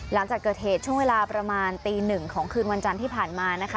หลังจากเกิดเหตุช่วงเวลาประมาณตีหนึ่งของคืนวันจันทร์ที่ผ่านมานะคะ